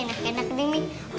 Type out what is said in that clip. ini makanannya ini enak enak nih nih